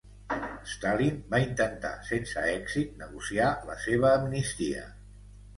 Stalin va intentar, sense èxit, negociar la seva amnistia.